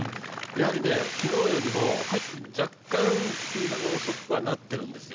昨日よりも若干スピードが遅くはなっているんですよ